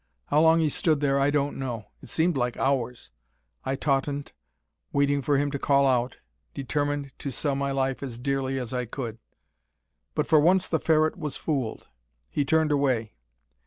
How long he stood there I don't know. It seemed like hours. I tautened, waiting for him to call out, determined to sell my life as dearly as I could. But for once the Ferret was fooled. He turned away.